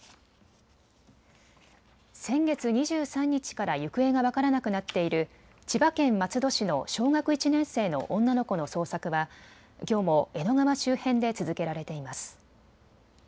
先月２３日から行方が分からなくなっている千葉県松戸市の小学１年生の女の子の捜索はきょうも江戸川周辺で続けられています。